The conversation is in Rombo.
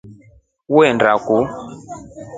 Uenda kuu?